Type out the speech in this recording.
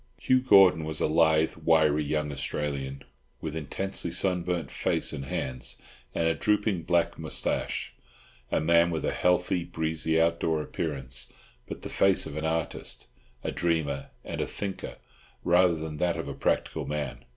Hugh Gordon was a lithe, wiry young Australian with intensely sunburnt face and hands, and a drooping black moustache; a man with a healthy, breezy outdoor appearance, but the face of an artist, a dreamer, and a thinker, rather than that of a practical man.